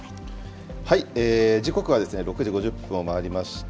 時刻は６時５０分を回りました。